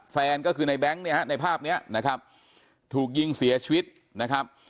แฟนก็คือในแบงค์เนี่ยฮะในภาพนี้นะครับถูกยิงเสียชีวิตนะครับ